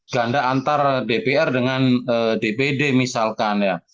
ganda antar dpr dengan dpd misalkan ya